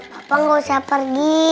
bapak nggak usah pergi